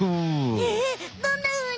えっどんなふうに？